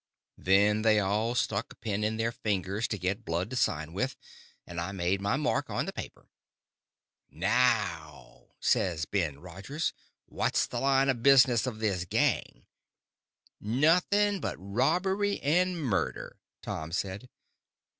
Then they all stuck a pin in their fingers to get blood to sign with, and I made my mark on the paper. "Now," says Ben Rogers, "what's the line of business of this Gang?" "Nothing only robbery and murder," Tom said.